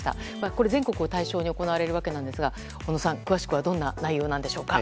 これ、全国を対象に行われるわけなんですが小野さん、詳しくはどんな内容でしょうか。